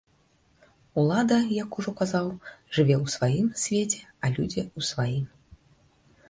Улада, як ужо казаў, жыве ў сваім свеце, а людзі ў сваім.